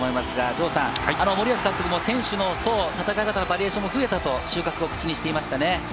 城さん、森保監督も選手の層、戦い方のバリエーションも増えたと言っていましたね。